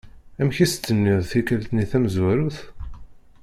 Amek i s-tenniḍ tikkelt-nni tamezwarut?